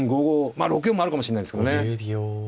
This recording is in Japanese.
まあ６四もあるかもしんないですけどね。